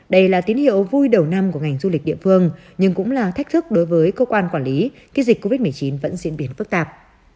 đây là tín hiệu vui đầu năm của ngành du lịch địa phương nhưng cũng là thách thức đối với cơ quan quản lý khi dịch covid một mươi chín vẫn diễn biến phức tạp